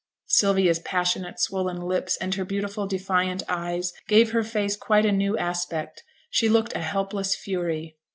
Sylvia's passionate swollen lips and her beautiful defiant eyes gave her face quite a new aspect; she looked a helpless fury.